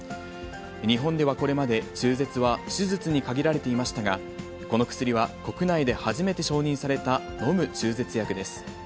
日本ではこれまで、中絶は手術に限られていましたが、この薬は国内で初めて承認された飲む中絶薬です。